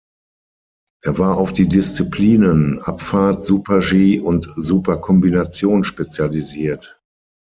Er war auf die Disziplinen Abfahrt, Super-G und Super-Kombination spezialisiert.